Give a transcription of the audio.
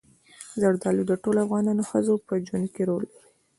زردالو د ټولو افغان ښځو په ژوند کې رول لري.